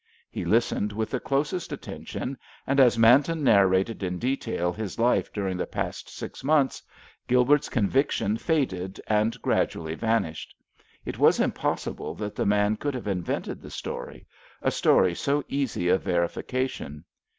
He listened with the closest attention, and as Manton narrated in detail his life during the past six months, Gilbert's convictions faded and gradually vanished. It was impossible that the man could have invented the story, a story so easy of verification.